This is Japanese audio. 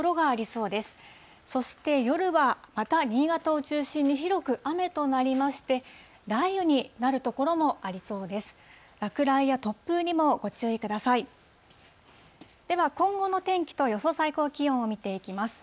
そして夜は、また新潟を中心に広く雨となりまして、雷雨になる所もありそうです。